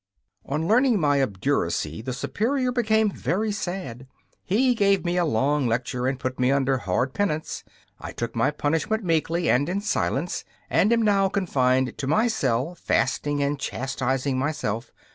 On learning my obduracy, the Superior became very sad. He gave me a long lecture and put me under hard penance. I took my punishment meekly and in silence, and am now confined to my cell, fasting and chastising myself.